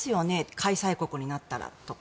開催国になったらとか。